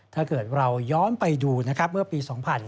ถ้าเกิดเราย้อนไปดูนะครับเมื่อปี๒๕๕๙